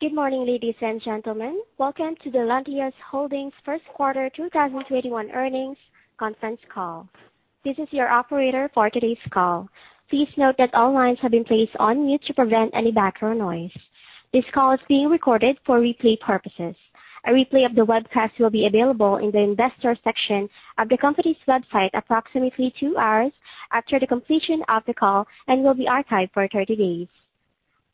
Good morning, ladies and gentlemen. Welcome to the Lantheus Holdings first quarter 2021 earnings conference call. This is your operator for today's call. Please note that all lines have been placed on mute to prevent any background noise. This call is being recorded for replay purposes. A replay of the webcast will be available in the Investors section of the company's website approximately two hours after the completion of the call and will be archived for 30 days.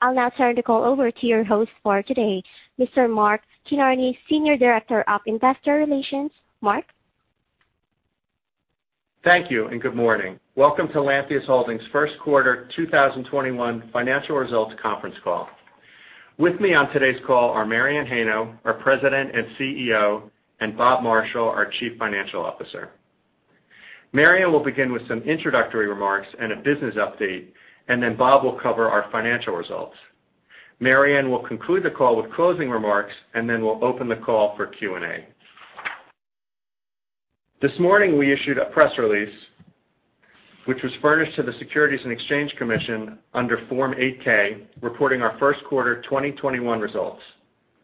I'll now turn the call over to your host for today, Mr. Mark Kinarney, Senior Director of Investor Relations. Mark? Thank you, and good morning. Welcome to Lantheus Holdings first-quarter 2021 financial results conference call. With me on today's call are Mary Anne Heino, our President and Chief Executive Officer, and Bob Marshall, our Chief Financial Officer. Mary will begin with some introductory remarks and a business update, and then Bob will cover our financial results. Mary Anne will conclude the call with closing remarks, and then we'll open the call for Q&A. This morning, we issued a press release, which was furnished to the Securities and Exchange Commission under Form 8-K, reporting our first quarter 2021 results.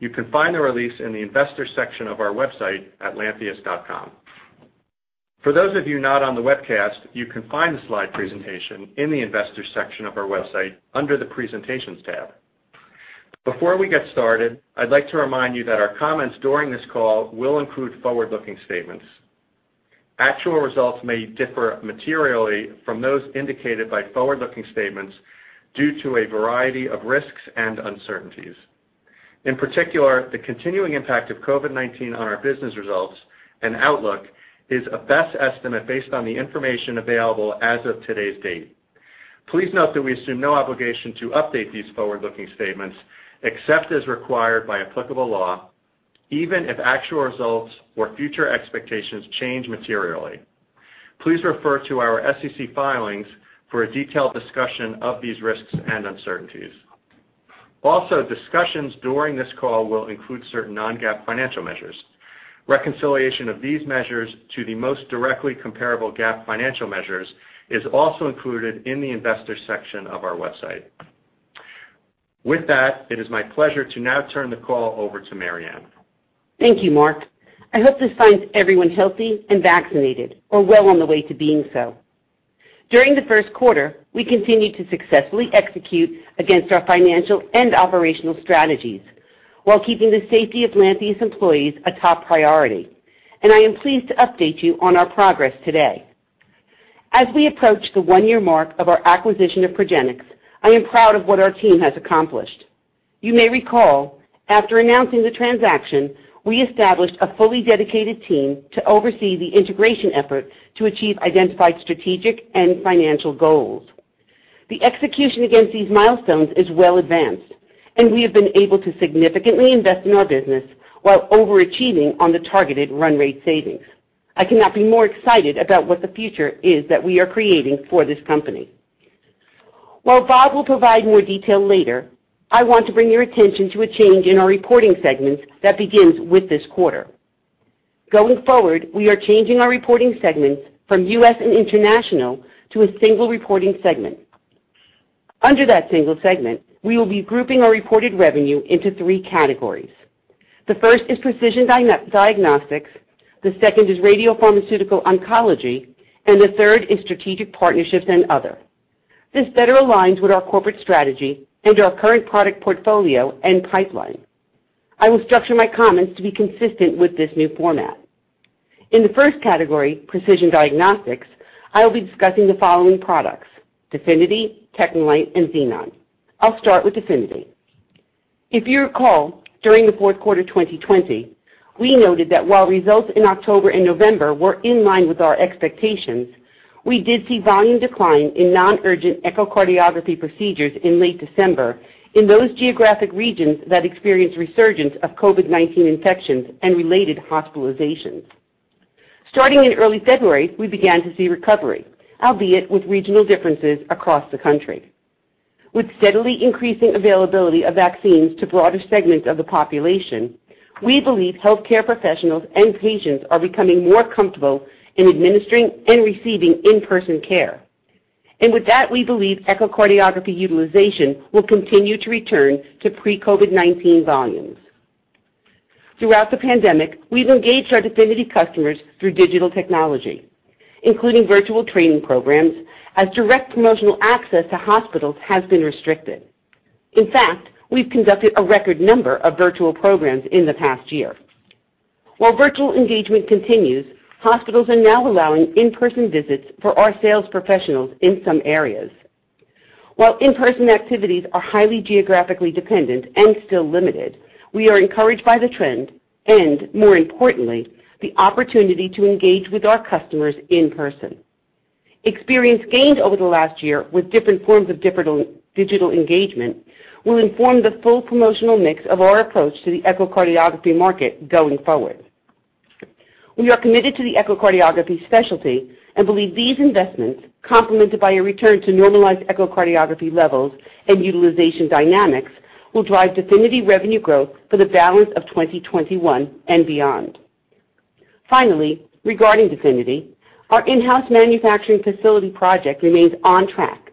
You can find the release in the Investors section of our website at lantheus.com. For those of you not on the webcast, you can find the slide presentation in the Investors section of our website under the Presentations tab. Before we get started, I'd like to remind you that our comments during this call will include forward-looking statements. Actual results may differ materially from those indicated by forward-looking statements due to a variety of risks and uncertainties. In particular, the continuing impact of COVID-19 on our business results and outlook is a best estimate based on the information available as of today's date. Please note that we assume no obligation to update these forward-looking statements, except as required by applicable law, even if actual results or future expectations change materially. Please refer to our SEC filings for a detailed discussion of these risks and uncertainties. Also, discussions during this call will include certain non-GAAP financial measures. Reconciliation of these measures to the most directly comparable GAAP financial measures is also included in the Investors section of our website. With that, it is my pleasure to now turn the call over to Mary Anne. Thank you, Mark. I hope this finds everyone healthy and vaccinated, or well on the way to being so. During the first quarter, we continued to successfully execute against our financial and operational strategies while keeping the safety of Lantheus employees a top priority. I am pleased to update you on our progress today. As we approach the one-year mark of our acquisition of Progenics, I am proud of what our team has accomplished. You may recall, after announcing the transaction, we established a fully dedicated team to oversee the integration effort to achieve identified strategic and financial goals. The execution against these milestones is well advanced, and we have been able to significantly invest in our business while overachieving on the targeted run rate savings. I cannot be more excited about what the future is that we are creating for this company. While Bob will provide more detail later, I want to bring your attention to a change in our reporting segments that begins with this quarter. Going forward, we are changing our reporting segments from U.S. and international to a single reporting segment. Under that single segment, we will be grouping our reported revenue into three categories. The first is precision diagnostics, the second is radiopharmaceutical oncology, and the third is strategic partnerships and other. This better aligns with our corporate strategy and our current product portfolio and pipeline. I will structure my comments to be consistent with this new format. In the first category, precision diagnostics, I will be discussing the following products: DEFINITY, TechneLite, and Xenon. I'll start with DEFINITY. If you recall, during the fourth quarter 2020, we noted that while results in October and November were in line with our expectations, we did see volume decline in non-urgent echocardiography procedures in late December in those geographic regions that experienced resurgence of COVID-19 infections and related hospitalizations. Starting in early February, we began to see recovery, albeit with regional differences across the country. With steadily increasing availability of vaccines to broader segments of the population, we believe healthcare professionals and patients are becoming more comfortable in administering and receiving in-person care. With that, we believe echocardiography utilization will continue to return to pre-COVID-19 volumes. Throughout the pandemic, we've engaged our DEFINITY customers through digital technology, including virtual training programs, as direct promotional access to hospitals has been restricted. In fact, we've conducted a record number of virtual programs in the past year. While virtual engagement continues, hospitals are now allowing in-person visits for our sales professionals in some areas. While in-person activities are highly geographically dependent and still limited, we are encouraged by the trend, and more importantly, the opportunity to engage with our customers in person. Experience gained over the last year with different forms of digital engagement will inform the full promotional mix of our approach to the echocardiography market going forward. We are committed to the echocardiography specialty and believe these investments, complemented by a return to normalized echocardiography levels and utilization dynamics, will drive DEFINITY revenue growth for the balance of 2021 and beyond. Finally, regarding DEFINITY, our in-house manufacturing facility project remains on track.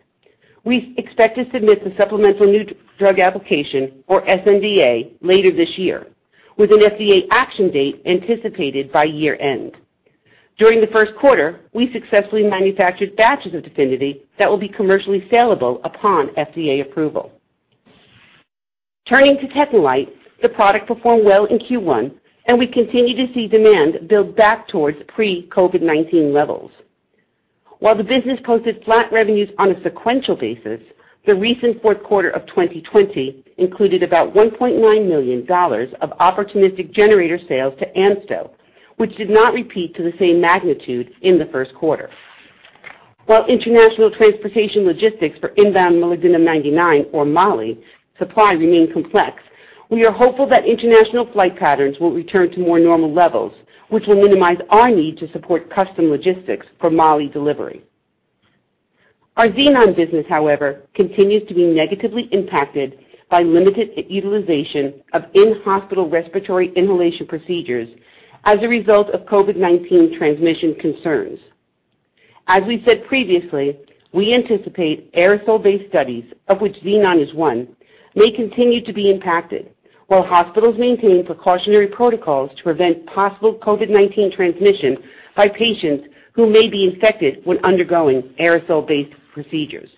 We expect to submit the supplemental new drug application, or sNDA, later this year, with an FDA action date anticipated by year-end. During the first quarter, we successfully manufactured batches of DEFINITY that will be commercially sellable upon FDA approval. Turning to TechneLite, the product performed well in Q1, and we continue to see demand build back towards pre-COVID-19 levels. While the business posted flat revenues on a sequential basis, the recent fourth quarter of 2020 included about $1.9 million of opportunistic generator sales to ANSTO, which did not repeat to the same magnitude in the first quarter. While international transportation logistics for inbound Molybdenum-99, or Moly, supply remain complex, we are hopeful that international flight patterns will return to more normal levels, which will minimize our need to support custom logistics for Moly delivery. Our Xenon business, however, continues to be negatively impacted by limited utilization of in-hospital respiratory inhalation procedures as a result of COVID-19 transmission concerns. As we've said previously, we anticipate aerosol-based studies, of which Xenon is one, may continue to be impacted while hospitals maintain precautionary protocols to prevent possible COVID-19 transmission by patients who may be infected when undergoing aerosol-based procedures.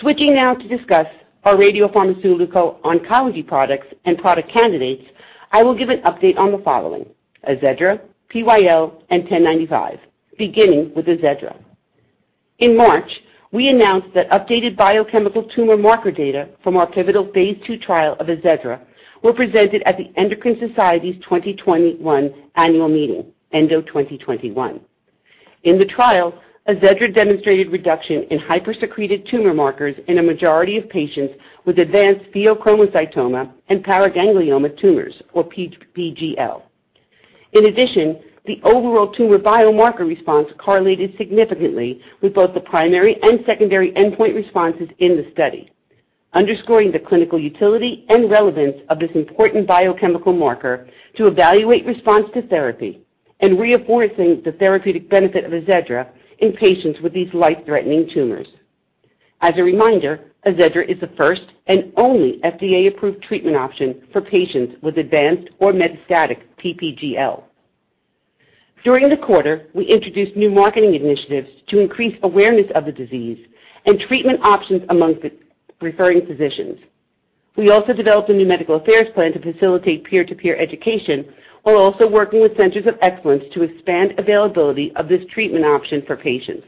Switching now to discuss our radiopharmaceutical oncology products and product candidates, I will give an update on the following: AZEDRA, PyL, and 1095, beginning with AZEDRA. In March, we announced that updated biochemical tumor marker data from our pivotal phase II trial of AZEDRA were presented at the Endocrine Society's 2021 annual meeting, ENDO 2021. In the trial, AZEDRA demonstrated reduction in hypersecreted tumor markers in a majority of patients with advanced pheochromocytoma and paraganglioma tumors, or PPGL. In addition, the overall tumor biomarker response correlated significantly with both the primary and secondary endpoint responses in the study, underscoring the clinical utility and relevance of this important biochemical marker to evaluate response to therapy, and reinforcing the therapeutic benefit of AZEDRA in patients with these life-threatening tumors. As a reminder, AZEDRA is the first and only FDA-approved treatment option for patients with advanced or metastatic PPGL. During the quarter, we introduced new marketing initiatives to increase awareness of the disease and treatment options amongst the referring physicians. We also developed a new medical affairs plan to facilitate peer-to-peer education while also working with centers of excellence to expand availability of this treatment option for patients.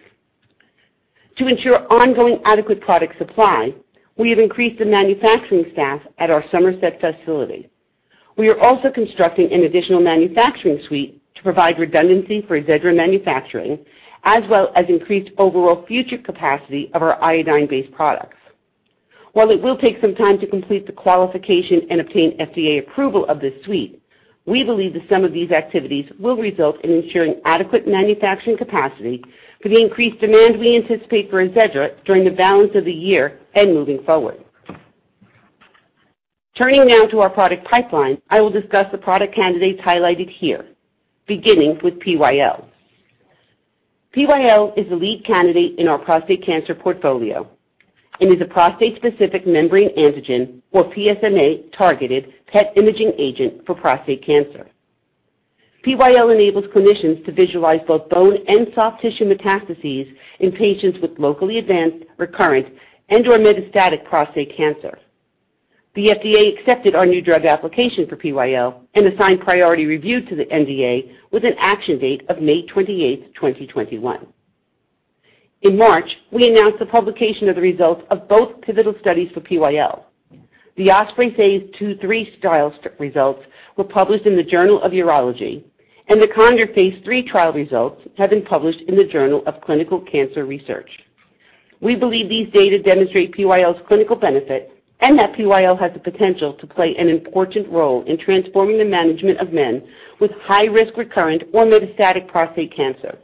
To ensure ongoing adequate product supply, we have increased the manufacturing staff at our Somerset facility. We are also constructing an additional manufacturing suite to provide redundancy for AZEDRA manufacturing, as well as increased overall future capacity of our iodine-based products. While it will take some time to complete the qualification and obtain FDA approval of this suite, we believe that some of these activities will result in ensuring adequate manufacturing capacity for the increased demand we anticipate for AZEDRA during the balance of the year and moving forward. Turning now to our product pipeline, I will discuss the product candidates highlighted here, beginning with PyL. PyL is the lead candidate in our prostate cancer portfolio and is a prostate-specific membrane antigen, or PSMA, targeted PET imaging agent for prostate cancer. PyL enables clinicians to visualize both bone and soft tissue metastases in patients with locally advanced, recurrent, and/or metastatic prostate cancer. The FDA accepted our new drug application for PyL and assigned priority review to the NDA with an action date of May 28th, 2021. In March, we announced the publication of the results of both pivotal studies for PyL. The OSPREY phase II/III trial results were published in the Journal of Urology, and the CONDOR phase III trial results have been published in the Journal of Clinical Cancer Research. We believe these data demonstrate PyL's clinical benefit and that PyL has the potential to play an important role in transforming the management of men with high-risk, recurrent, or metastatic prostate cancer.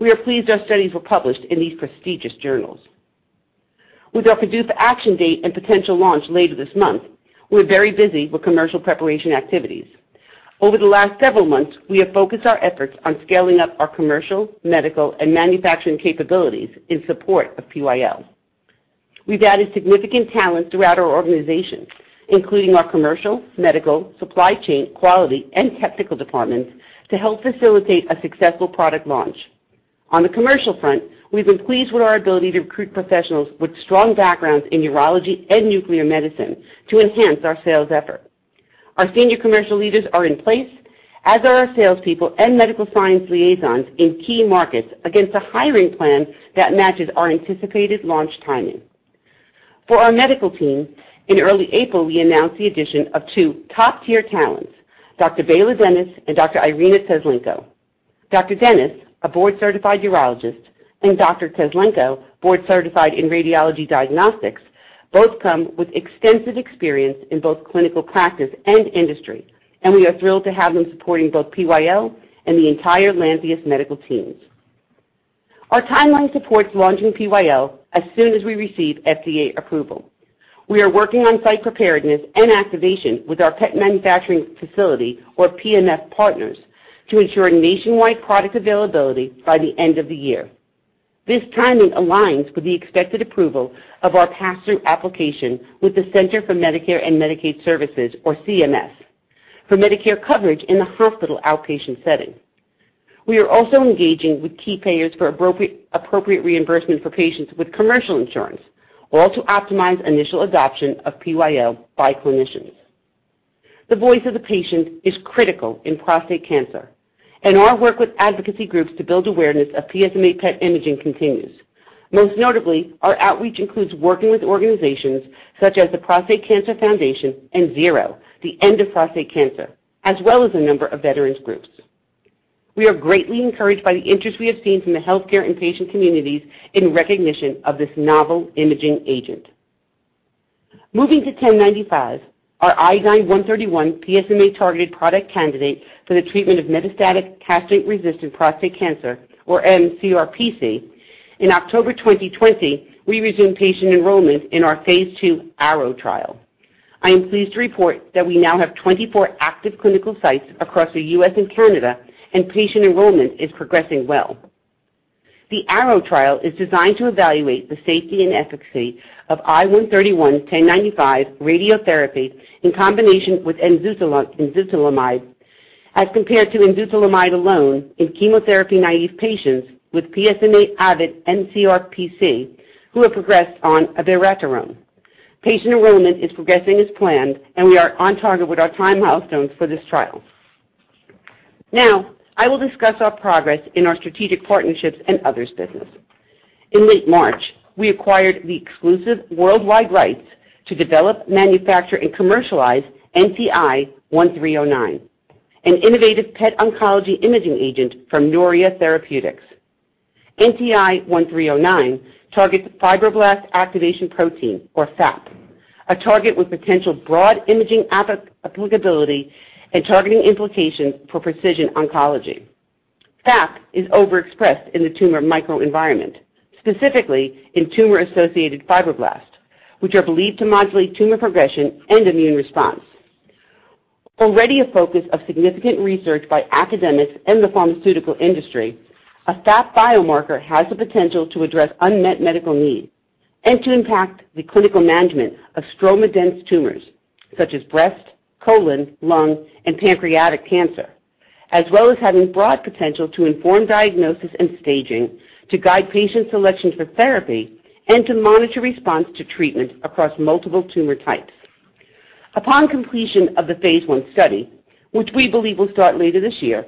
We are pleased our studies were published in these prestigious journals. With our PDUFA action date and potential launch later this month, we're very busy with commercial preparation activities. Over the last several months, we have focused our efforts on scaling up our commercial, medical, and manufacturing capabilities in support of PyL. We've added significant talent throughout our organization, including our commercial, medical, supply chain, quality, and technical departments, to help facilitate a successful product launch. On the commercial front, we've been pleased with our ability to recruit professionals with strong backgrounds in urology and nuclear medicine to enhance our sales effort. Our senior commercial leaders are in place, as are our salespeople and medical science liaisons in key markets against a hiring plan that matches our anticipated launch timing. For our medical team, in early April, we announced the addition of two top-tier talents, Dr. Bela Denes and Dr. Iryna Teslenko. Dr. Denes, a board-certified urologist, and Dr. Teslenko, board-certified in radiology diagnostics, both come with extensive experience in both clinical practice and industry, and we are thrilled to have them supporting both PyL and the entire Lantheus medical teams. Our timeline supports launching PyL as soon as we receive FDA approval. We are working on site preparedness and activation with our PET manufacturing facility, or PMF partners, to ensure nationwide product availability by the end of the year. This timing aligns with the expected approval of our pass-through application with the Centers for Medicare & Medicaid Services, or CMS, for Medicare coverage in the hospital outpatient setting. We are also engaging with key payers for appropriate reimbursement for patients with commercial insurance, all to optimize initial adoption of PyL by clinicians. The voice of the patient is critical in prostate cancer, and our work with advocacy groups to build awareness of PSMA PET imaging continues. Most notably, our outreach includes working with organizations such as the Prostate Cancer Foundation and ZERO, The End of Prostate Cancer, as well as a number of veterans groups. We are greatly encouraged by the interest we have seen from the healthcare and patient communities in recognition of this novel imaging agent. Moving to 1095, our I-131 PSMA-targeted product candidate for the treatment of metastatic castrate-resistant prostate cancer, or mCRPC. In October 2020, we resumed patient enrollment in our phase II ARROW trial. I am pleased to report that we now have 24 active clinical sites across the U.S. and Canada, and patient enrollment is progressing well. The ARROW trial is designed to evaluate the safety and efficacy of I-131 1095 radiotherapy in combination with enzalutamide as compared to enzalutamide alone in chemotherapy-naïve patients with PSMA-avid mCRPC who have progressed on abiraterone. Patient enrollment is progressing as planned. We are on target with our time milestones for this trial. Now, I will discuss our progress in our strategic partnerships and other business. In late March, we acquired the exclusive worldwide rights to develop, manufacture, and commercialize NTI-1309, an innovative PET oncology imaging agent from Noria Therapeutics. NTI-1309 targets fibroblast activation protein, or FAP, a target with potential broad imaging applicability and targeting implications for precision oncology. FAP is overexpressed in the tumor microenvironment, specifically in tumor-associated fibroblasts, which are believed to modulate tumor progression and immune response. Already a focus of significant research by academics and the pharmaceutical industry, a FAP biomarker has the potential to address unmet medical need and to impact the clinical management of stroma-dense tumors such as breast, colon, lung, and pancreatic cancer, as well as having broad potential to inform diagnosis and staging, to guide patient selection for therapy, and to monitor response to treatment across multiple tumor types. Upon completion of the phase I study, which we believe will start later this year,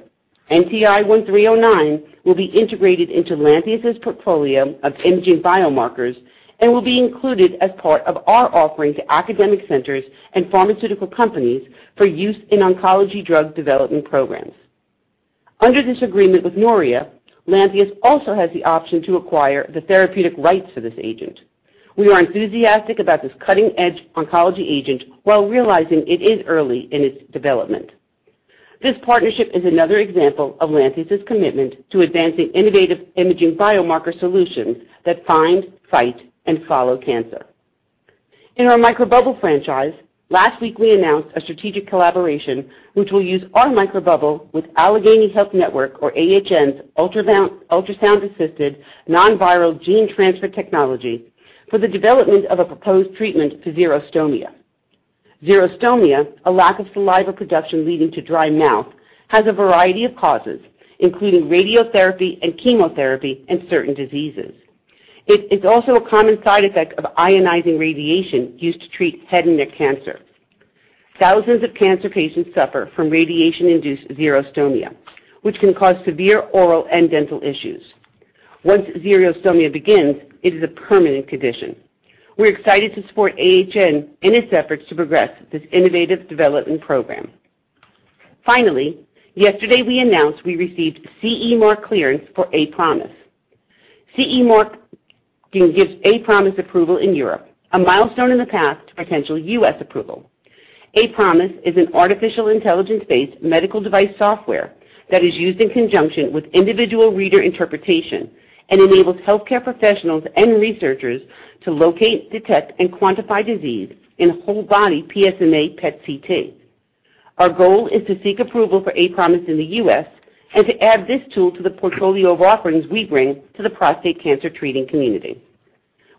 NTI-1309 will be integrated into Lantheus's portfolio of imaging biomarkers and will be included as part of our offering to academic centers and pharmaceutical companies for use in oncology drug development programs. Under this agreement with Noria, Lantheus also has the option to acquire the therapeutic rights for this agent. We are enthusiastic about this cutting-edge oncology agent while realizing it is early in its development. This partnership is another example of Lantheus's commitment to advancing innovative imaging biomarker solutions that find, fight, and follow cancer. In our microbubble franchise, last week we announced a strategic collaboration which will use our microbubble with Allegheny Health Network, or AHN's, ultrasound-assisted, non-viral gene transfer technology for the development of a proposed treatment to xerostomia. Xerostomia, a lack of saliva production leading to dry mouth, has a variety of causes, including radiotherapy and chemotherapy and certain diseases. It is also a common side effect of ionizing radiation used to treat head and neck cancer. Thousands of cancer patients suffer from radiation-induced xerostomia, which can cause severe oral and dental issues. Once xerostomia begins, it is a permanent condition. We're excited to support AHN in its efforts to progress this innovative development program. Finally, yesterday we announced we received CE Mark clearance for aPROMISE. CE Mark gives aPROMISE approval in Europe, a milestone in the path to potential U.S. approval. aPROMISE is an artificial intelligence-based medical device software that is used in conjunction with individual reader interpretation and enables healthcare professionals and researchers to locate, detect, and quantify disease in whole-body PSMA PET/CT. Our goal is to seek approval for aPROMISE in the U.S. and to add this tool to the portfolio of offerings we bring to the prostate cancer treating community.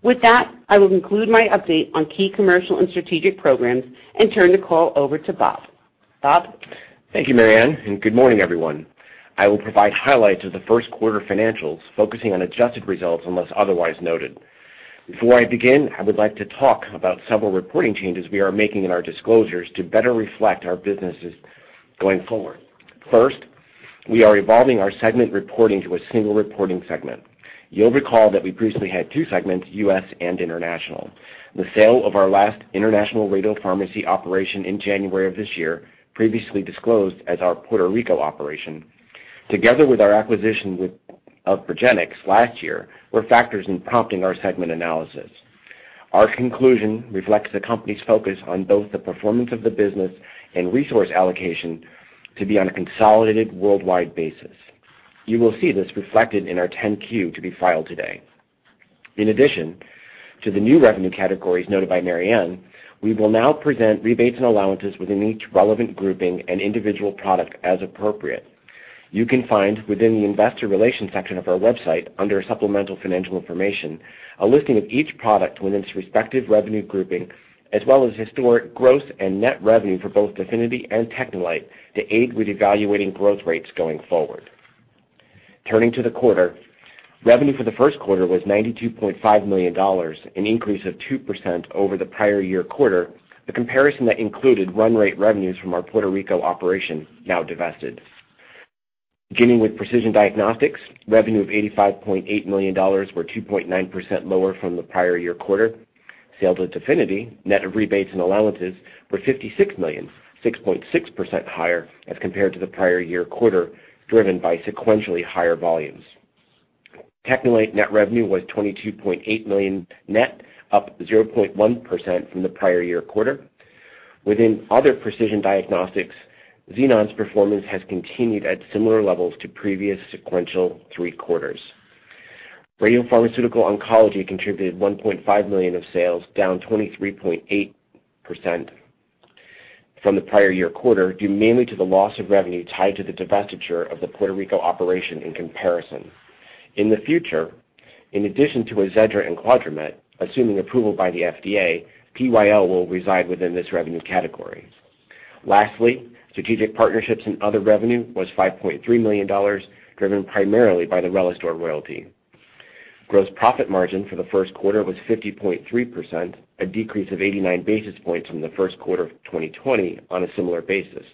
With that, I will conclude my update on key commercial and strategic programs and turn the call over to Bob. Bob? Thank you, Mary Anne, and good morning, everyone. I will provide highlights of the first quarter financials, focusing on adjusted results unless otherwise noted. Before I begin, I would like to talk about several reporting changes we are making in our disclosures to better reflect our businesses going forward. First, we are evolving our segment reporting to a single reporting segment. You'll recall that we previously had two segments, U.S. and international. The sale of our last international radiopharmacy operation in January of this year, previously disclosed as our Puerto Rico operation, together with our acquisition of Progenics last year, were factors in prompting our segment analysis. Our conclusion reflects the company's focus on both the performance of the business and resource allocation to be on a consolidated worldwide basis. You will see this reflected in our 10-Q to be filed today. In addition to the new revenue categories noted by Mary Anne, we will now present rebates and allowances within each relevant grouping and individual product as appropriate. You can find within the investor relations section of our website, under supplemental financial information, a listing of each product within its respective revenue grouping, as well as historic growth and net revenue for both DEFINITY and TechneLite to aid with evaluating growth rates going forward. Turning to the quarter, revenue for the first quarter was $92.5 million, an increase of 2% over the prior year quarter, a comparison that included run rate revenues from our Puerto Rico operation, now divested. Beginning with precision diagnostics, revenue of $85.8 million were 2.9% lower from the prior year quarter. Sales of DEFINITY, net of rebates and allowances, were $56 million, 6.6% higher as compared to the prior year quarter, driven by sequentially higher volumes. TechneLite net revenue was $22.8 million net, up 0.1% from the prior year quarter. Within other precision diagnostics, Xenon's performance has continued at similar levels to previous sequential three quarters. Radiopharmaceutical oncology contributed $1.5 million of sales, down 23.8% from the prior year quarter, due mainly to the loss of revenue tied to the divestiture of the Puerto Rico operation in comparison. In the future, in addition to AZEDRA and QUADRAMET, assuming approval by the FDA, PyL will reside within this revenue category. Lastly, strategic partnerships and other revenue was $5.3 million, driven primarily by the RELISTOR Royalty. Gross profit margin for the first quarter was 50.3%, a decrease of 89 basis points from the first quarter of 2020 on a similar basis.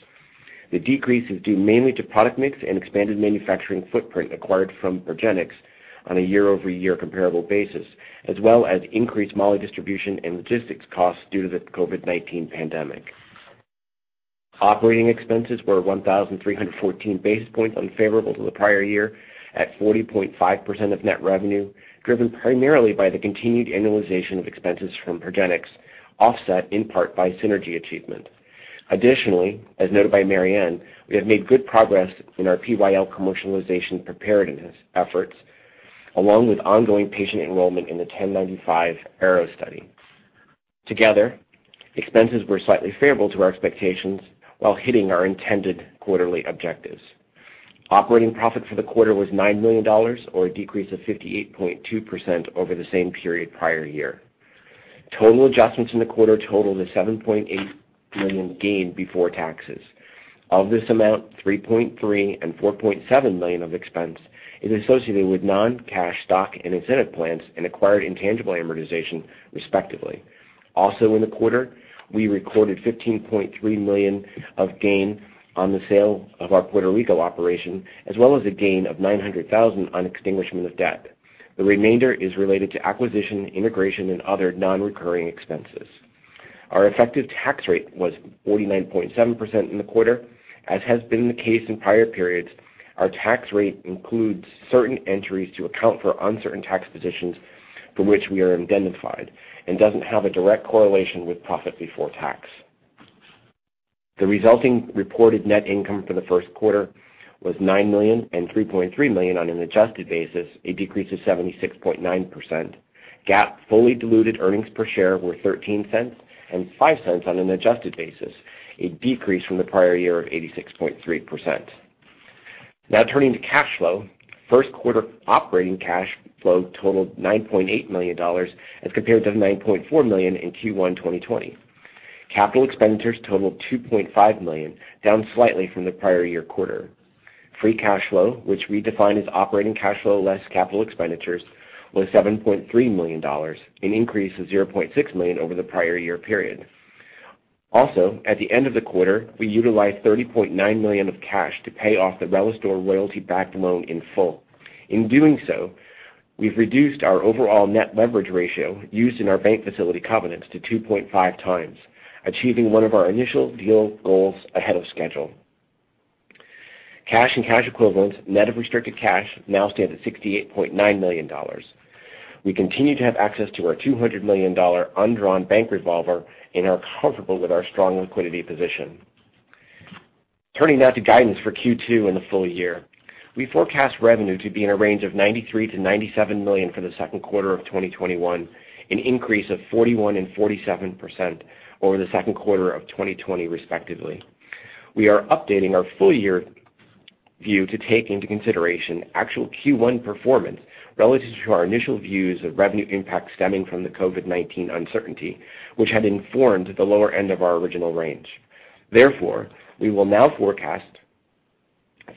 The decrease is due mainly to product mix and expanded manufacturing footprint acquired from Progenics on a year-over-year comparable basis, as well as increased Moly distribution and logistics costs due to the COVID-19 pandemic. Operating expenses were 1,314 basis points unfavorable to the prior year at 40.5% of net revenue, driven primarily by the continued annualization of expenses from Progenics, offset in part by synergy achievement. Additionally, as noted by Mary Anne, we have made good progress in our PyL commercialization preparedness efforts, along with ongoing patient enrollment in the 1095 ARROW study. Together, expenses were slightly favorable to our expectations while hitting our intended quarterly objectives. Operating profit for the quarter was $9 million, or a decrease of 58.2% over the same period prior year. Total adjustments in the quarter totaled a $7.8 million gain before taxes. Of this amount, $3.3 million and $4.7 million of expense is associated with non-cash stock and incentive plans and acquired intangible amortization, respectively. Also, in the quarter, we recorded $15.3 million of gain on the sale of our Puerto Rico operation, as well as a gain of $900,000 on extinguishment of debt. The remainder is related to acquisition, integration, and other non-recurring expenses. Our effective tax rate was 49.7% in the quarter. As has been the case in prior periods, our tax rate includes certain entries to account for uncertain tax positions for which we are indemnified and doesn't have a direct correlation with profit before tax. The resulting reported net income for the first quarter was $9 million and $3.3 million on an adjusted basis, a decrease of 76.9%. GAAP fully diluted earnings per share were $0.13 and $0.05 on an adjusted basis, a decrease from the prior year of 86.3%. Now, turning to cash flow. First quarter operating cash flow totaled $9.8 million as compared to $9.4 million in Q1 2020. Capital expenditures totaled $2.5 million, down slightly from the prior year quarter. Free cash flow, which we define as operating cash flow less capital expenditures, was $7.3 million, an increase of $0.6 million over the prior year period. At the end of the quarter, we utilized $30.9 million of cash to pay off the RELISTOR Royalty-backed loan in full. In doing so, we've reduced our overall net leverage ratio used in our bank facility covenants to 2.5 times, achieving one of our initial deal goals ahead of schedule. Cash and cash equivalents, net of restricted cash, now stand at $68.9 million. We continue to have access to our $200 million undrawn bank revolver and are comfortable with our strong liquidity position. Turning now to guidance for Q2 and the full year. We forecast revenue to be in a range of $93 million-$97 million for the second quarter of 2021, an increase of 41% and 47% over the second quarter of 2020, respectively. We are updating our full year view to take into consideration actual Q1 performance relative to our initial views of revenue impact stemming from the COVID-19 uncertainty, which had informed the lower end of our original range. Therefore, we will now forecast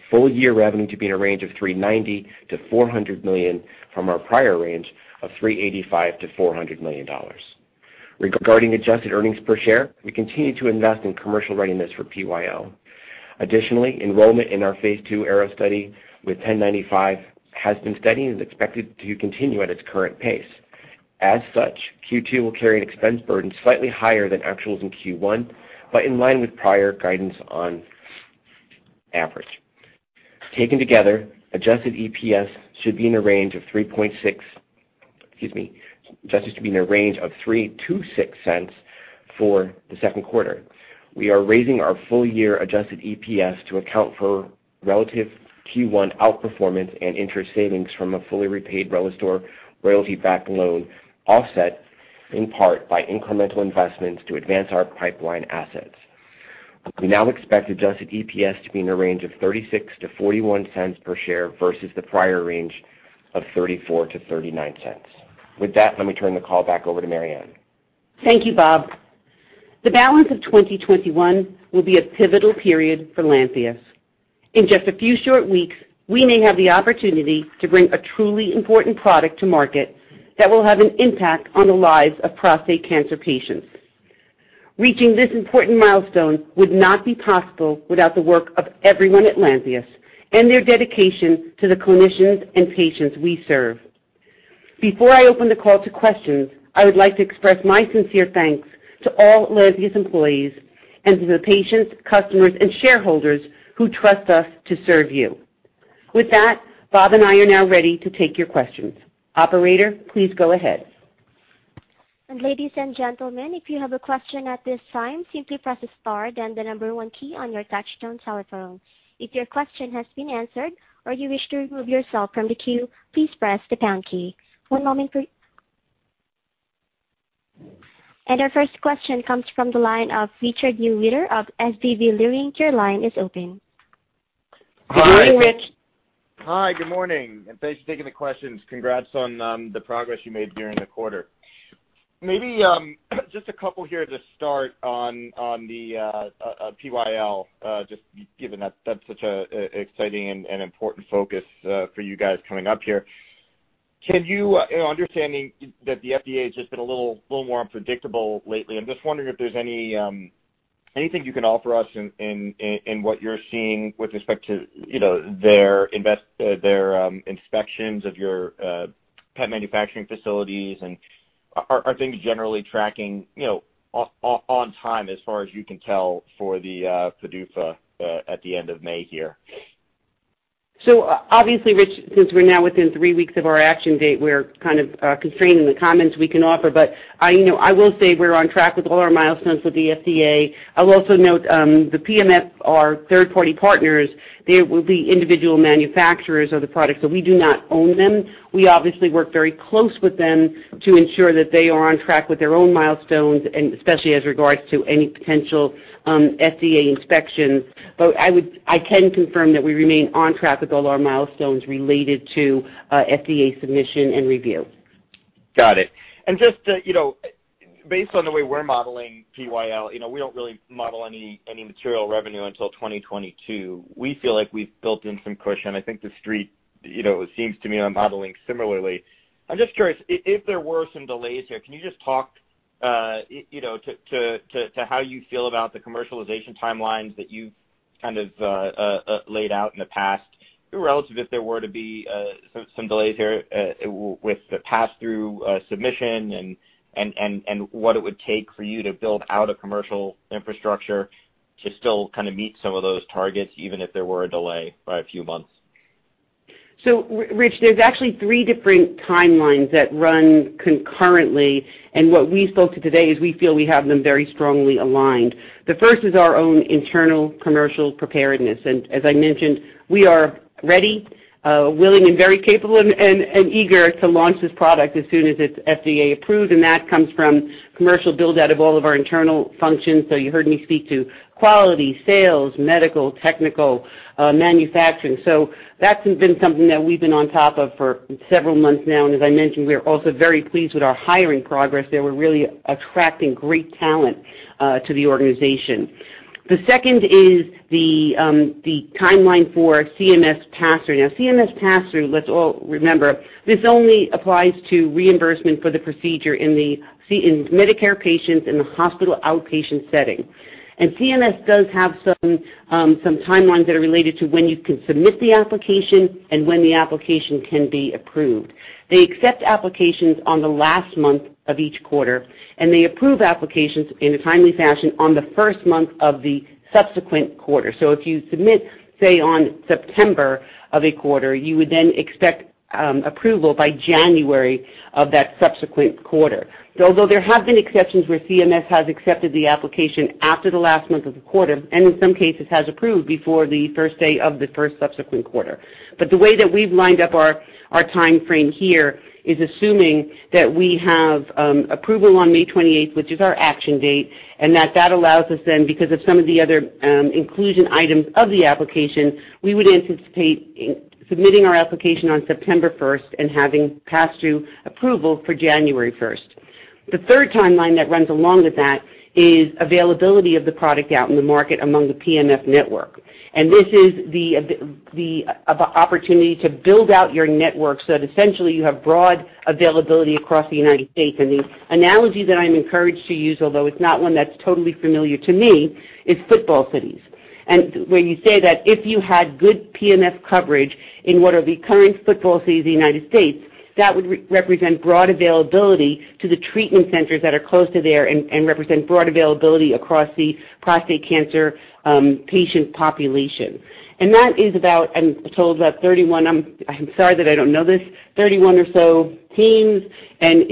full year revenue to be in a range of $390 million-$400 million from our prior range of $385 million-$400 million. Regarding adjusted earnings per share, we continue to invest in commercial readiness for PyL. Additionally, enrollment in our phase II ARROW study with 1095 has been steady and is expected to continue at its current pace. As such, Q2 will carry an expense burden slightly higher than actuals in Q1, but in line with prior guidance on average. Taken together, adjusted EPS should be in a range of excuse me. Adjusted should be in a range of $0.03-$0.06 for the second quarter. We are raising our full-year adjusted EPS to account for relative Q1 outperformance and interest savings from a fully repaid RELISTOR Royalty-backed loan, offset in part by incremental investments to advance our pipeline assets. We now expect adjusted EPS to be in a range of $0.36-$0.41 per share versus the prior range of $0.34-$0.39. Let me turn the call back over to Mary Anne. Thank you, Bob. The balance of 2021 will be a pivotal period for Lantheus. In just a few short weeks, we may have the opportunity to bring a truly important product to market that will have an impact on the lives of prostate cancer patients. Reaching this important milestone would not be possible without the work of everyone at Lantheus and their dedication to the clinicians and patients we serve. Before I open the call to questions, I would like to express my sincere thanks to all Lantheus employees and to the patients, customers, and shareholders who trust us to serve you. With that, Bob and I are now ready to take your questions. Operator, please go ahead. Ladies and gentlemen, if you have a question at this time, simply press star then the number one key on your touchtone telephone. If your question has been answered, or you wish to remove yourself from the queue, please press the pound key. One moment, please. Our first question comes from the line of Richard Newitter of SVB Leerink. Your line is open. Good morning, Rich. Hi. Good morning, and thanks for taking the questions. Congrats on the progress you made during the quarter. Maybe just a couple here to start on the PyL, just given that's such an exciting and important focus for you guys coming up here. Understanding that the FDA has just been a little more unpredictable lately, I'm just wondering if there's anything you can offer us in what you're seeing with respect to their inspections of your PET manufacturing facilities, and are things generally tracking on time as far as you can tell for the PDUFA at the end of May here? Obviously, Rich, since we're now within three weeks of our action date, we're kind of constrained in the comments we can offer. I will say we're on track with all our milestones with the FDA. I'll also note, the PMF are third-party partners. They will be individual manufacturers of the product, so we do not own them. We obviously work very close with them to ensure that they are on track with their own milestones, and especially as regards to any potential FDA inspections. I can confirm that we remain on track with all our milestones related to FDA submission and review. Got it. Just based on the way we're modeling PyL, we don't really model any material revenue until 2022. We feel like we've built in some cushion. I think the street seems to me I'm modeling similarly. I'm just curious, if there were some delays here, can you just talk to how you feel about the commercialization timelines that you've kind of laid out in the past? Relative if there were to be some delays here with the pass-through submission and what it would take for you to build out a commercial infrastructure to still kind of meet some of those targets, even if there were a delay by a few months. Rich, there's actually three different timelines that run concurrently. What we spoke to today is we feel we have them very strongly aligned. The first is our own internal commercial preparedness. As I mentioned, we are ready, willing, and very capable and eager to launch this product as soon as it's FDA approved. That comes from commercial build-out of all of our internal functions. You heard me speak to quality, sales, medical, technical, manufacturing. That's been something that we've been on top of for several months now. As I mentioned, we are also very pleased with our hiring progress there. We're really attracting great talent to the organization. The second is the timeline for CMS pass-through. CMS pass-through, let's all remember, this only applies to reimbursement for the procedure in Medicare patients in the hospital outpatient setting. CMS does have some timelines that are related to when you can submit the application and when the application can be approved. They accept applications on the last month of each quarter, and they approve applications in a timely fashion on the first month of the subsequent quarter. If you submit, say, on September of a quarter, you would then expect approval by January of that subsequent quarter. Although there have been exceptions where CMS has accepted the application after the last month of the quarter, and in some cases, has approved before the first day of the first subsequent quarter. The way that we've lined up our timeframe here is assuming that we have approval on May 28th, which is our action date, and that allows us then, because of some of the other inclusion items of the application, we would anticipate submitting our application on September 1st and having pass-through approval for January 1st. The third timeline that runs along with that is availability of the product out in the market among the PMF network. This is the opportunity to build out your network so that essentially you have broad availability across the U.S. The analogy that I'm encouraged to use, although it's not one that's totally familiar to me, is football cities. Where you say that if you had good PMF coverage in what are the current football cities in the U.S., that would represent broad availability to the treatment centers that are close to there and represent broad availability across the prostate cancer patient population. That is about, I'm told, about 31, I'm sorry that I don't know this, 31 or so teams, and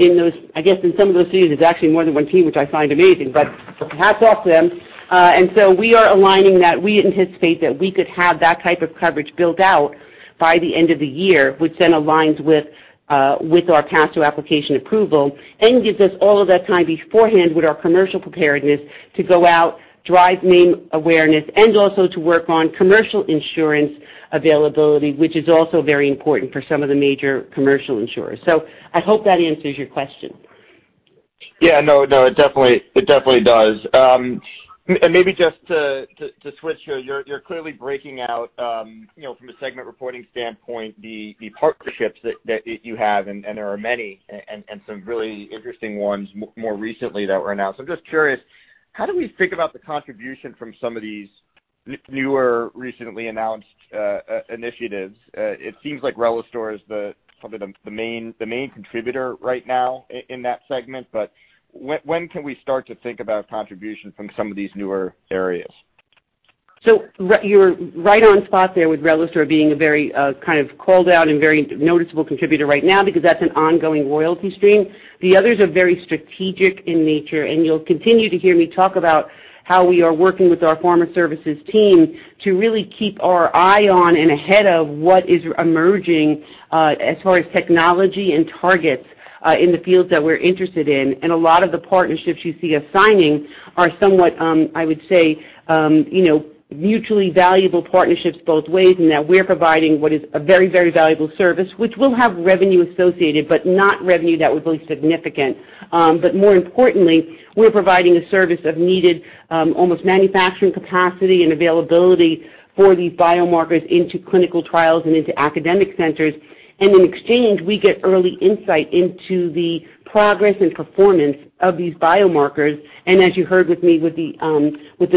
I guess in some of those cities, it's actually more than one team, which I find amazing, but hats off to them. So we are aligning that. We anticipate that we could have that type of coverage built out by the end of the year, which then aligns with our pass-through application approval and gives us all of that time beforehand with our commercial preparedness to go out, drive name awareness, and also to work on commercial insurance availability, which is also very important for some of the major commercial insurers. I hope that answers your question. Yeah. No, it definitely does. Maybe just to switch here, you're clearly breaking out, from a segment reporting standpoint, the partnerships that you have, and there are many, and some really interesting ones more recently that were announced. I'm just curious, how do we think about the contribution from some of these newer, recently announced initiatives? It seems like RELISTOR is the sort of the main contributor right now in that segment, but when can we start to think about contribution from some of these newer areas? You're right on spot there with RELISTOR being a very kind of called out and very noticeable contributor right now because that's an ongoing Royalty stream. The others are very strategic in nature, and you'll continue to hear me talk about how we are working with our pharma services team to really keep our eye on and ahead of what is emerging as far as technology and targets in the fields that we're interested in. A lot of the partnerships you see us signing are somewhat, I would say, mutually valuable partnerships both ways in that we're providing what is a very, very valuable service, which will have revenue associated, but not revenue that would be significant. More importantly, we're providing a service of needed, almost manufacturing capacity and availability for these biomarkers into clinical trials and into academic centers. In exchange, we get early insight into the progress and performance of these biomarkers. As you heard with me with the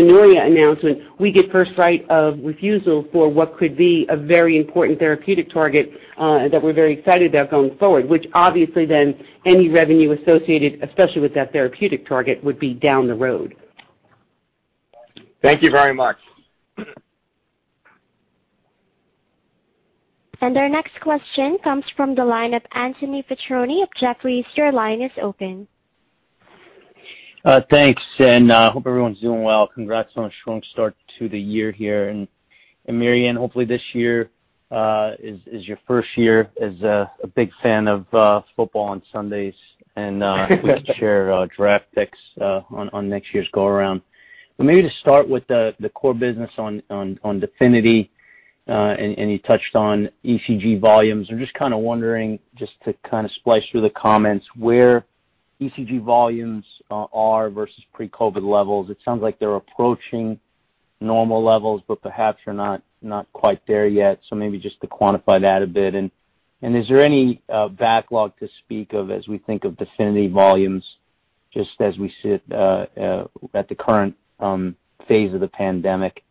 Noria announcement, we get first right of refusal for what could be a very important therapeutic target that we're very excited about going forward, which obviously then any revenue associated, especially with that therapeutic target, would be down the road. Thank you very much. Our next question comes from the line of Anthony Petrone of Jefferies. Your line is open. Thanks. I hope everyone's doing well. Congrats on a strong start to the year here. Mary Anne, hopefully this year is your first year as a big fan of football on Sundays, and we could share draft picks on next year's go around. Maybe to start with the core business on DEFINITY, and you touched on ECG volumes. I'm just kind of wondering, just to kind of splice through the comments, where ECG volumes are versus pre-COVID levels. It sounds like they're approaching normal levels, but perhaps are not quite there yet. Maybe just to quantify that a bit. Is there any backlog to speak of as we think of DEFINITY volumes just as we sit at the current phase of the pandemic?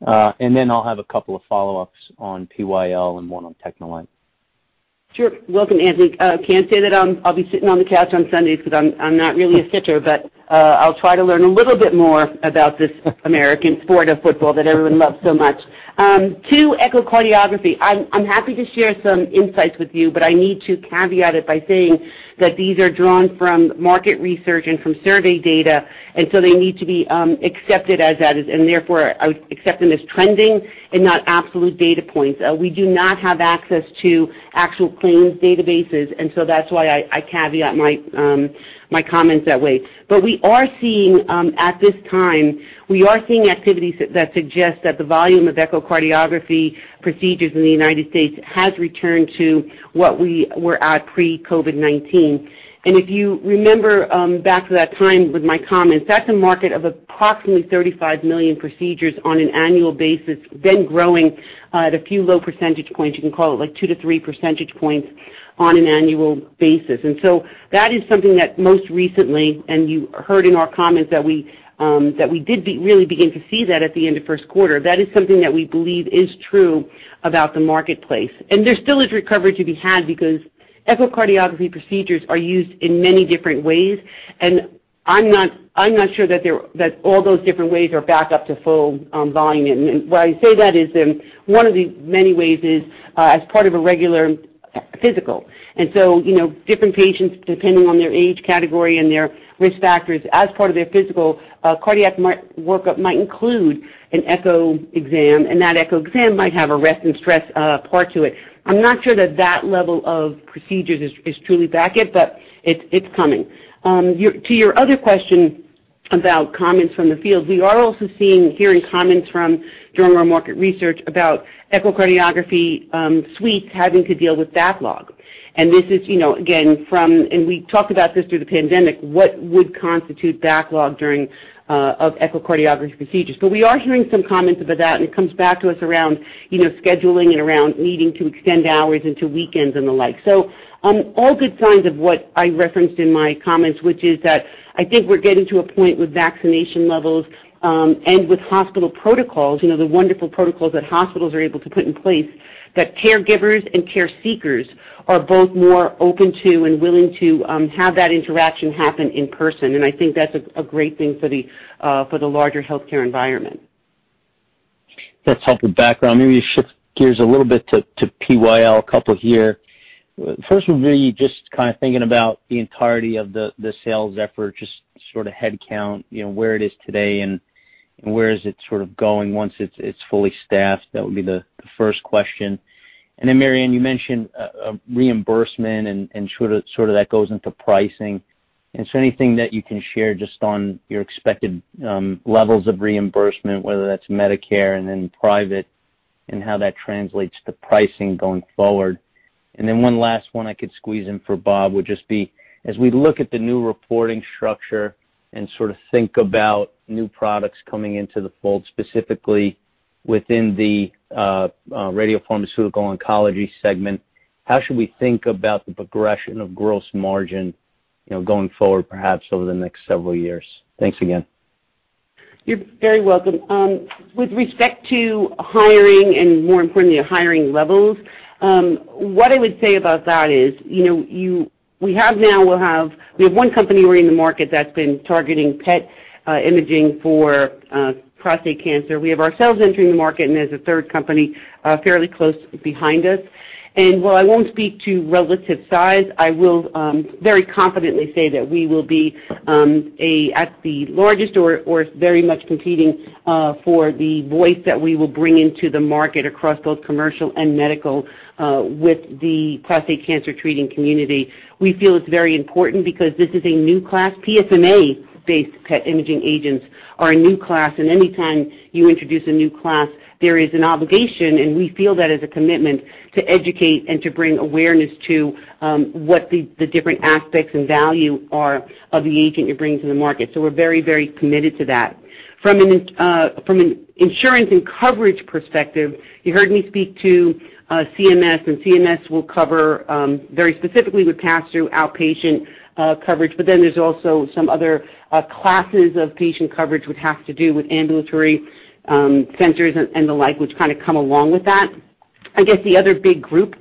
Then I'll have a couple of follow-ups on PyL and one on TechneLite. Sure. Welcome, Anthony. Can't say that I'll be sitting on the couch on Sundays because I'm not really a sitter, but I'll try to learn a little bit more about this American sport of football that everyone loves so much. To echocardiography, I'm happy to share some insights with you, but I need to caveat it by saying that these are drawn from market research and from survey data, and so they need to be accepted as that, and therefore I would accept them as trending and not absolute data points. We do not have access to actual claims databases, and so that's why I caveat my comments that way. We are seeing, at this time, we are seeing activities that suggest that the volume of echocardiography procedures in the U.S. has returned to what we were at pre-COVID-19. If you remember back to that time with my comments, that's a market of approximately 35 million procedures on an annual basis, then growing at a few low percentage points, you can call it like 2 percentage points-3 percentage points on an annual basis. That is something that most recently, and you heard in our comments that we did really begin to see that at the end of first quarter. That is something that we believe is true about the marketplace. There still is recovery to be had because echocardiography procedures are used in many different ways, and I'm not sure that all those different ways are back up to full volume. Why I say that is one of the many ways is as part of a regular physical. Different patients, depending on their age category and their risk factors as part of their physical, a cardiac workup might include an echo exam, and that echo exam might have a rest and stress part to it. I'm not sure that that level of procedures is truly back yet, but it's coming. To your other question about comments from the field, we are also seeing, hearing comments from during our market research about echocardiography suites having to deal with backlog. This is, again, and we talked about this through the pandemic, what would constitute backlog of echocardiography procedures. Though we are hearing some comments about that, and it comes back to us around scheduling and around needing to extend hours into weekends and the like. All good signs of what I referenced in my comments, which is that I think we're getting to a point with vaccination levels, and with hospital protocols, the wonderful protocols that hospitals are able to put in place that caregivers and care seekers are both more open to and willing to have that interaction happen in person. I think that's a great thing for the larger healthcare environment. That's helpful background. Maybe shift gears a little bit to PyL, a couple here. First would really just thinking about the entirety of the sales effort, just sort of headcount, where it is today and where is it going once it's fully staffed. That would be the first question. Mary Anne, you mentioned reimbursement and sort of that goes into pricing. Anything that you can share just on your expected levels of reimbursement, whether that's Medicare and then private, and how that translates to pricing going forward. Then one last one I could squeeze in for Bob would just be, as we look at the new reporting structure and sort of think about new products coming into the fold, specifically within the radiopharmaceutical oncology segment, how should we think about the progression of gross margin going forward, perhaps over the next several years? Thanks again. You're very welcome. With respect to hiring and more importantly, the hiring levels, what I would say about that is, we have one company we're in the market that's been targeting PET imaging for prostate cancer. We have ourselves entering the market, there's a third company fairly close behind us. While I won't speak to relative size, I will very confidently say that we will be at the largest or very much competing for the voice that we will bring into the market across both commercial and medical with the prostate cancer treating community. We feel it's very important because this is a new class. PSMA-based PET imaging agents are a new class, and any time you introduce a new class, there is an obligation, and we feel that is a commitment to educate and to bring awareness to what the different aspects and value are of the agent you're bringing to the market. We're very, very committed to that. From an insurance and coverage perspective, you heard me speak to CMS, and CMS will cover very specifically with pass-through outpatient coverage. There's also some other classes of patient coverage which have to do with ambulatory centers and the like, which kind of come along with that. I guess the other big group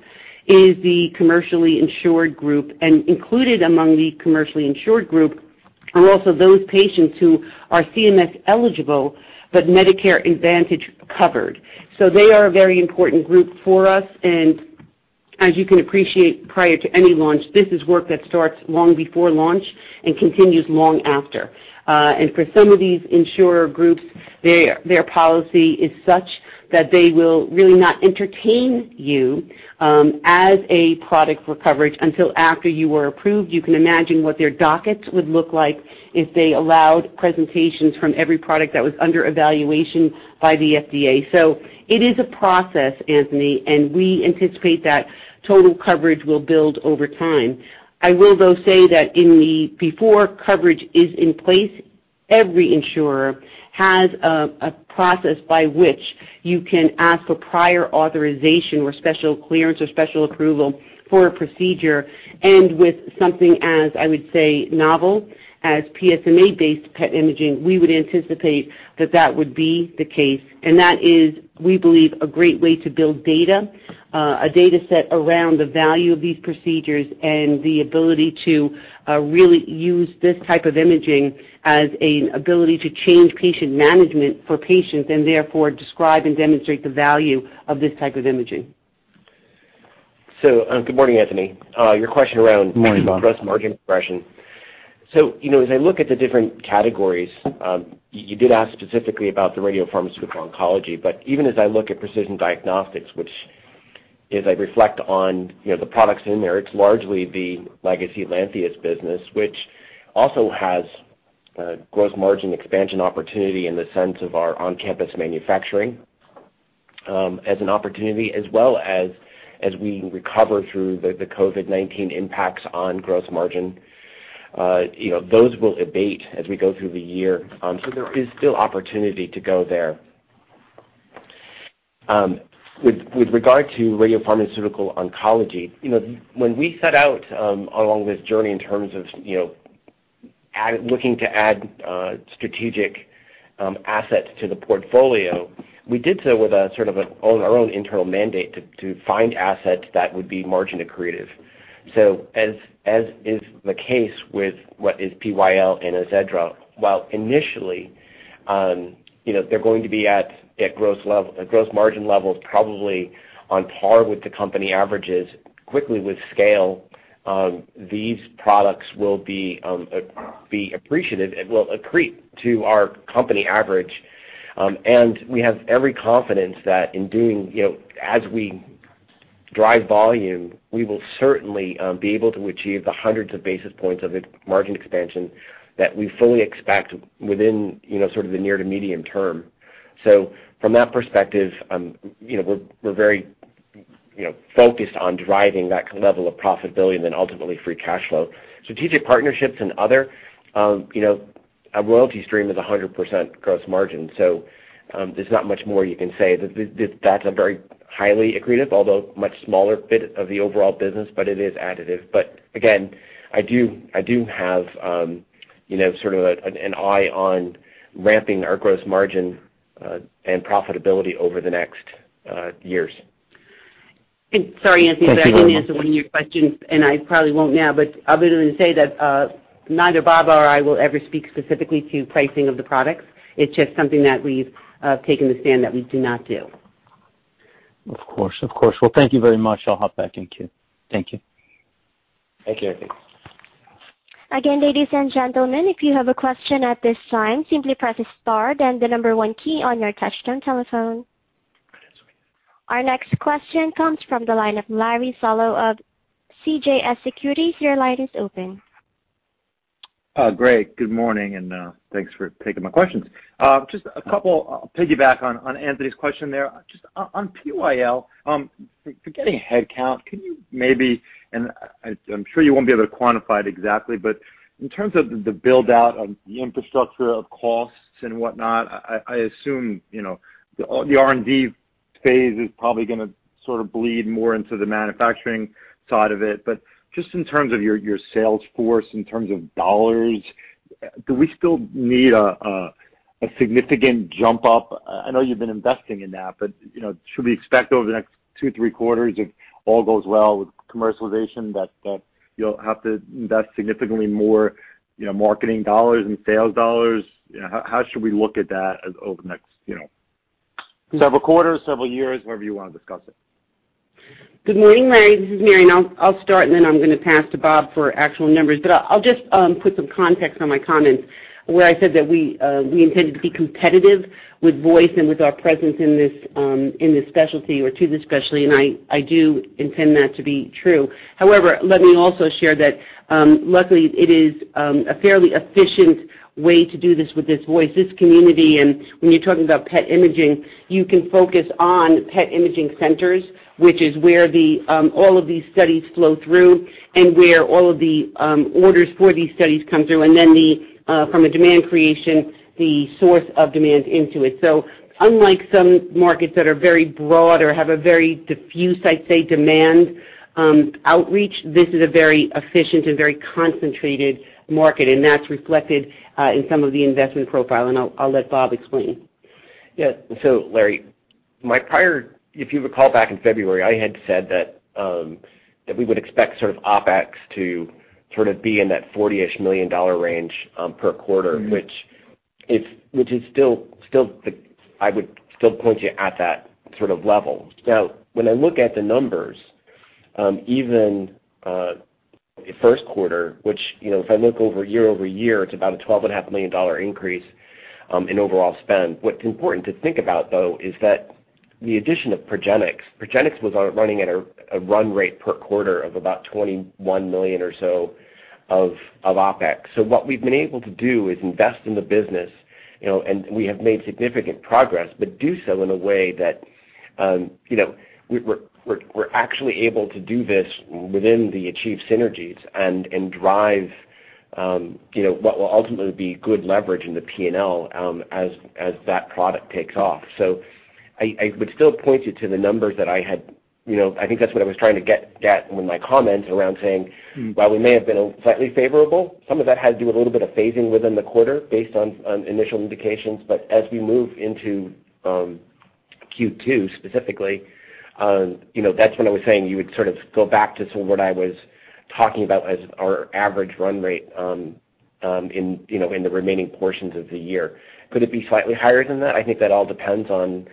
is the commercially insured group, and included among the commercially insured group are also those patients who are CMS eligible, but Medicare Advantage covered. They are a very important group for us, and as you can appreciate, prior to any launch, this is work that starts long before launch and continues long after. For some of these insurer groups, their policy is such that they will really not entertain you as a product for coverage until after you are approved. You can imagine what their dockets would look like if they allowed presentations from every product that was under evaluation by the FDA. It is a process, Anthony, and we anticipate that total coverage will build over time. I will, though, say that before coverage is in place, every insurer has a process by which you can ask for prior authorization or special clearance or special approval for a procedure. With something as, I would say, novel as PSMA-based PET imaging, we would anticipate that that would be the case. That is, we believe, a great way to build data, a data set around the value of these procedures and the ability to really use this type of imaging as an ability to change patient management for patients and therefore describe and demonstrate the value of this type of imaging. Good morning, Anthony. Morning, Bob. Your question around gross margin progression. As I look at the different categories, you did ask specifically about the radiopharmaceutical oncology, but even as I look at precision diagnostics, which as I reflect on the products in there, it is largely the legacy Lantheus business, which also has gross margin expansion opportunity in the sense of our on-campus manufacturing as an opportunity, as well as we recover through the COVID-19 impacts on gross margin. Those will abate as we go through the year. There is still opportunity to go there. With regard to radiopharmaceutical oncology, when we set out along this journey in terms of looking to add strategic assets to the portfolio, we did so with a sort of our own internal mandate to find assets that would be margin accretive. As is the case with what is PyL and AZEDRA, while initially they're going to be at gross margin levels probably on par with the company averages, quickly with scale, these products will be appreciative and will accrete to our company average. We have every confidence that as we drive volume, we will certainly be able to achieve the hundreds of basis points of margin expansion that we fully expect within sort of the near to medium term. From that perspective, we're very focused on driving that level of profitability and then ultimately free cash flow. Strategic partnerships and other, a Royalty stream is 100% gross margin. There's not much more you can say. That's a very highly accretive, although much smaller bit of the overall business, but it is additive. Again, I do have sort of an eye on ramping our gross margin and profitability over the next years. Sorry, Anthony, but I didn't answer one of your questions, and I probably won't now, but other than to say that neither Bob or I will ever speak specifically to pricing of the products. It's just something that we've taken the stand that we do not do. Of course, of course. Well, thank you very much. I'll hop back in queue. Thank you. Thank you, Anthony. Again, ladies and gentleman, if you have a question at this time, simply press the star then the number one key on your touchtone telephone. Our next question comes from the line of Larry Solow of CJS Securities, your line is open. Great. Good morning, thanks for taking my questions. Just a couple, I'll piggyback on Anthony's question there. Just on PyL, forgetting headcount, can you maybe, and I'm sure you won't be able to quantify it exactly, but in terms of the build-out of the infrastructure of costs and whatnot, I assume, the R&D phase is probably going to sort of bleed more into the manufacturing side of it. Just in terms of your sales force, in terms of dollars, do we still need a significant jump up? I know you've been investing in that, but should we expect over the next two, three quarters, if all goes well with commercialization, that you'll have to invest significantly more marketing dollars and sales dollars? How should we look at that over the next several quarters, several years, wherever you want to discuss it? Good morning, Larry. This is Mary Anne. I'll start, and then I'm going to pass to Bob for actual numbers. I'll just put some context on my comments where I said that we intended to be competitive with voice and with our presence in this specialty or to the specialty, and I do intend that to be true. However, let me also share that, luckily, it is a fairly efficient way to do this with this voice, this community, and when you're talking about PET imaging, you can focus on PET imaging centers, which is where all of these studies flow through and where all of the orders for these studies come through, and then from a demand creation, the source of demand into it. Unlike some markets that are very broad or have a very diffuse, I'd say, demand outreach, this is a very efficient and very concentrated market, and that's reflected in some of the investment profile. I'll let Bob explain. Yeah. Larry, if you recall back in February, I had said that we would expect sort of OpEx to sort of be in that $40-ish million range per quarter, which I would still point you at that sort of level. When I look at the numbers, even first quarter, which if I look over year-over-year, it's about a $12.5 million increase in overall spend. What's important to think about, though, is that the addition of Progenics. Progenics was running at a run rate per quarter of about $21 million or so of OpEx. What we've been able to do is invest in the business, and we have made significant progress, but do so in a way that we're actually able to do this within the achieved synergies and drive what will ultimately be good leverage in the P&L as that product takes off. I would still point you to the numbers that I had. I think that's what I was trying to get at with my comments around saying, while we may have been slightly favorable, some of that had to do with a little bit of phasing within the quarter based on initial indications. As we move into Q2 specifically, that's when I was saying you would sort of go back to sort of what I was talking about as our average run rate in the remaining portions of the year. Could it be slightly higher than that? I think that all depends on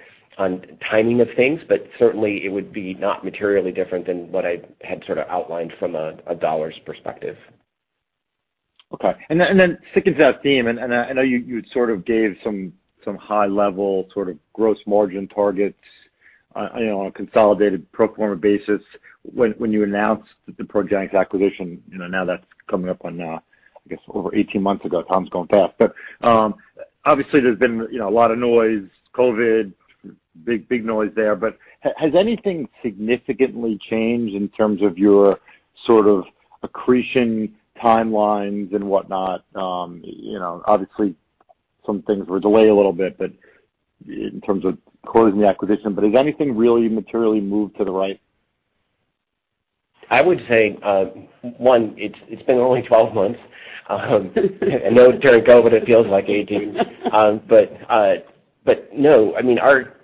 timing of things, but certainly it would be not materially different than what I had sort of outlined from a dollars perspective. Okay. Sticking to that theme, and I know you had sort of gave some high level sort of gross margin targets on a consolidated pro forma basis when you announced the Progenics acquisition. Now that's coming up on, I guess, over 18 months ago. Time's gone fast. Obviously there's been a lot of noise, COVID, big noise there, but has anything significantly changed in terms of your sort of accretion timelines and whatnot? Obviously, some things were delayed a little bit, but in terms of closing the acquisition, but has anything really materially moved to the right? I would say, one, it's been only 12 months. I know during COVID it feels like 18. No,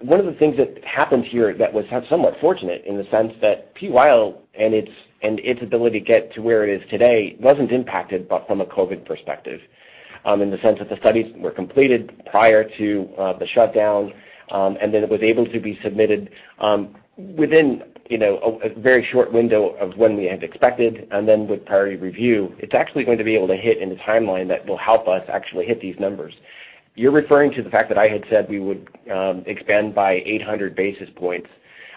one of the things that happened here that was somewhat fortunate in the sense that PyL and its ability to get to where it is today wasn't impacted from a COVID perspective in the sense that the studies were completed prior to the shutdown, and then it was able to be submitted within a very short window of when we had expected, and then with priority review. It's actually going to be able to hit in a timeline that will help us actually hit these numbers. You're referring to the fact that I had said we would expand by 800 basis points,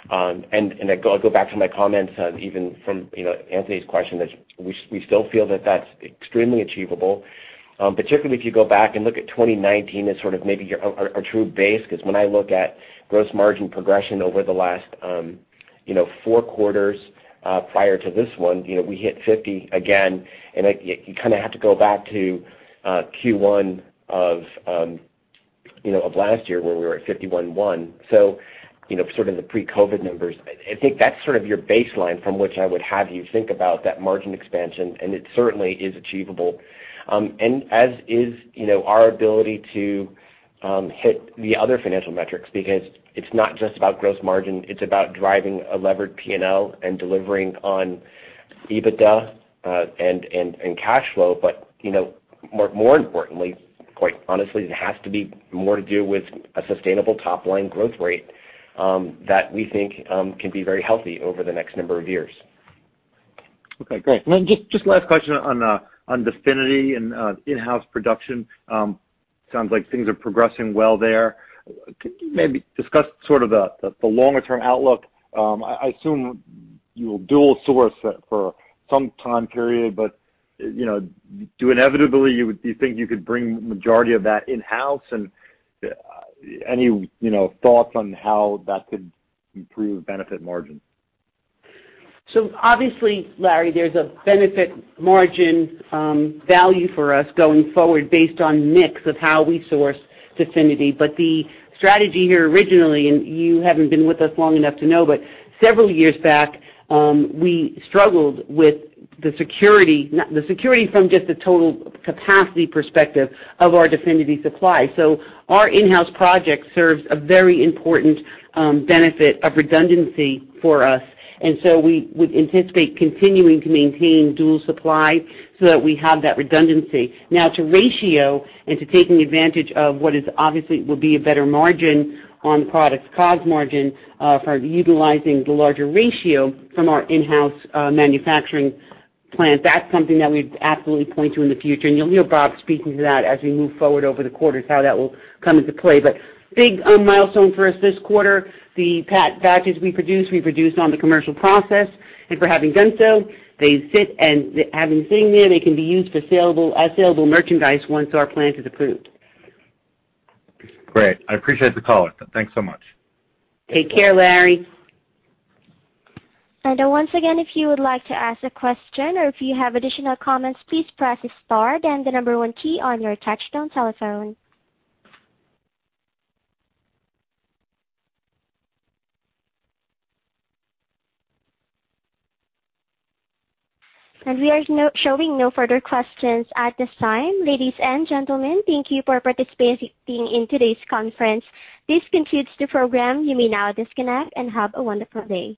and I'll go back to my comments on even from Anthony's question that we still feel that that's extremely achievable. Particularly if you go back and look at 2019 as sort of maybe our true base, because when I look at gross margin progression over the last four quarters prior to this one, we hit 50 again, and you kind of have to go back to Q1 of last year where we were at 51.1. Sort of the pre-COVID numbers. I think that's sort of your baseline from which I would have you think about that margin expansion, and it certainly is achievable. As is our ability to hit the other financial metrics, because it's not just about gross margin, it's about driving a levered P&L and delivering on EBITDA and cash flow. More importantly, quite honestly, it has to be more to do with a sustainable top-line growth rate that we think can be very healthy over the next number of years. Okay, great. Just last question on DEFINITY and in-house production. Sounds like things are progressing well there. Could you maybe discuss sort of the longer-term outlook? I assume you will dual source for some time period, but do you think you could bring the majority of that in-house? Any thoughts on how that could improve benefit margin? Obviously, Larry, there's a benefit margin value for us going forward based on mix of how we source DEFINITY. The strategy here originally, and you haven't been with us long enough to know, but several years back, we struggled with the security from just the total capacity perspective of our DEFINITY supply. Our in-house project serves a very important benefit of redundancy for us, and so we would anticipate continuing to maintain dual supply so that we have that redundancy. Now, to ratio and to taking advantage of what is obviously will be a better margin on products, cost margin for utilizing the larger ratio from our in-house manufacturing plant, that's something that we'd absolutely point to in the future, and you'll hear Bob speaking to that as we move forward over the quarters, how that will come into play. Big milestone for us this quarter, the batches we produced on the commercial process, and for having done so, they sit and having sitting there, they can be used as saleable merchandise once our plant is approved. Great. I appreciate the call. Thanks so much. Take care, Larry. Once again, if you would like to ask a question or if you have additional comments, please press star then the number one key on your touchtone telephone. We are showing no further questions at this time. Ladies and gentlemen, thank you for participating in today's conference. This concludes the program. You may now disconnect and have a wonderful day.